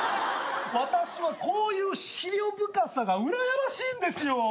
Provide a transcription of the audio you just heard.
私はこういう思慮深さがうらやましいんですよ。